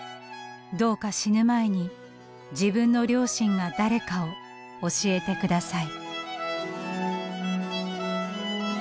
どうか死ぬ前に自分の両親が誰かを教えて下さい」。